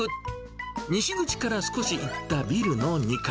西口から少し行ったビルの２階。